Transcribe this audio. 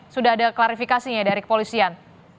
sudah ada klarifikasinya dari kepolisian